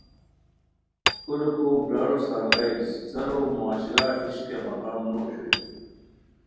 کوریکو برارو سار غیر اسپڅارو معاشرا ہِش کیہ مقام نو اوشوئے